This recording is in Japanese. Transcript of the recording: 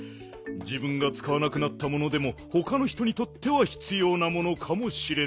じぶんがつかわなくなったものでもほかの人にとってはひつようなものかもしれないぞよ。